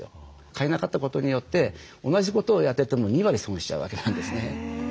替えなかったことによって同じことをやってても２割損しちゃうわけなんですね。